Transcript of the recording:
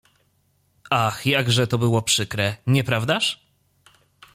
"Ach, jakże to było przykre, nieprawdaż?"